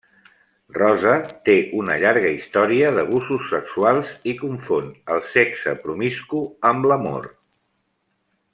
Rosa té una llarga història d'abusos sexuals i confon el sexe promiscu amb l'amor.